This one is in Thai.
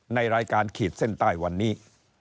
ในรายการขีดเส้นใต้วันนี้